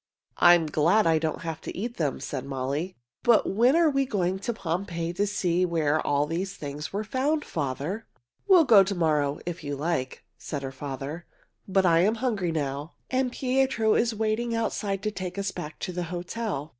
"I am glad I don't have to eat them," said Molly. "But when are we going to Pompeii to see where all these things were found, father?" "We will go to morrow, if you like," said her father. "But I am hungry now, and Pietro is waiting outside to take us back to the hotel."